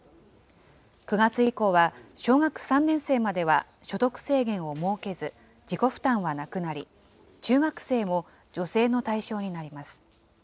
９月以降は、小学３年生までは所得制限を設けず、自己負担はなくなり、中学生も助成の対象になります。